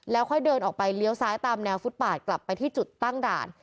ค่อยเดินออกไปเลี้ยวซ้ายตามแนวฟุตปาดกลับไปที่จุดตั้งด่าน